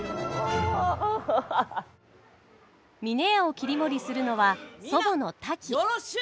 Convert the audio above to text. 峰屋を切り盛りするのは祖母のタキ。